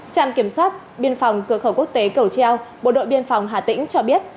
trạm kiểm soát biên phòng cửa khẩu quốc tế cầu treo bộ đội biên phòng hà tĩnh cho biết